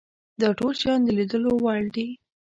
دا ټول شیان د لیدلو وړ دي.